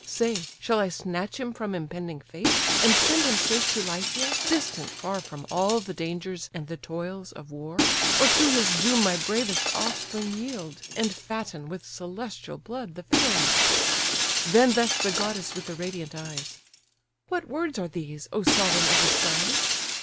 Say, shall I snatch him from impending fate, And send him safe to Lycia, distant far From all the dangers and the toils of war; Or to his doom my bravest offspring yield, And fatten, with celestial blood, the field?" Then thus the goddess with the radiant eyes: "What words are these, O sovereign of the skies!